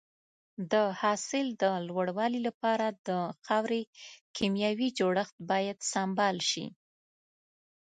د حاصل د لوړوالي لپاره د خاورې کيمیاوي جوړښت باید سمبال شي.